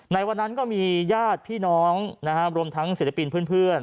ในวันนั้นก็มีญาติพี่น้องรวมทั้งศิลปินเพื่อน